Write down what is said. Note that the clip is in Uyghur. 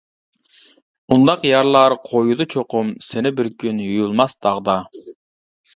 ئۇنداق يارلار قويىدۇ چوقۇم، سېنى بىر كۈن يۇيۇلماس داغدا.